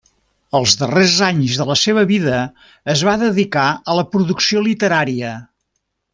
Els darrers anys de la seva vida es va dedicar a la producció literària.